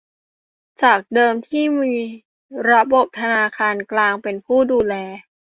จากเดิมที่มีระบบธนาคารกลางเป็นผู้ดูแล